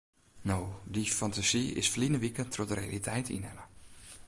No, dy fantasy is ferline wike troch de realiteit ynhelle.